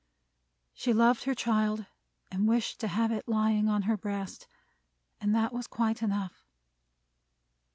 She loved her child, and wished to have it lying on her breast. And that was quite enough.